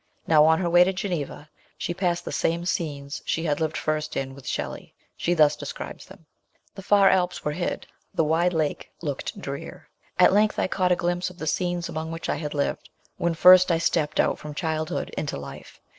Now, on her wav to Geneva, she passed the same scenes she 220 MBS. SHELLEY. had lived first in with Shelley. She thus describes them : The far Alps were hid, the wide lake looked drear. At length I canght a glimpse of the scenes among which I had lived, when first I stepped out from childhood into life.